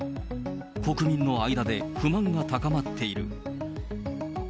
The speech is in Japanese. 国民の間で不満が高まっている。